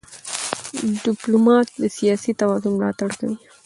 ډيپلومات د سیاسي توازن ملاتړ کوي.